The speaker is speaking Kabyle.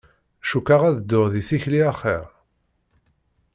Cukkeɣ ad dduɣ d tikli axir.